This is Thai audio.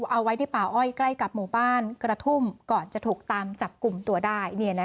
เอาไว้ที่ป่าอ้อยใกล้กับหมู่บ้านกระทุ่มก่อนจะถูกตามจับกลุ่มตัวได้